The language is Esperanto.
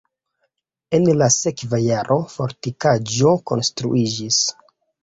En la sekva jaro fortikaĵo konstruiĝis.